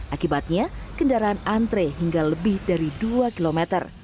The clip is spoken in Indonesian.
akibatnya kendaraan antre hingga lebih dari dua km